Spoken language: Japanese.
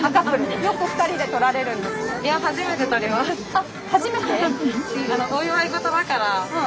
あっ初めて？